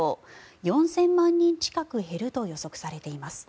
４０００万人近く減ると予測されています。